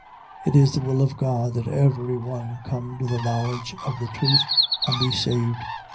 It is the will of God that every one come to the knowledge of the truth, and be saved.